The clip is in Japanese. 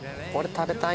食べたい。